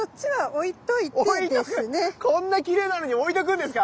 置いとく⁉こんなきれいなのに置いとくんですか？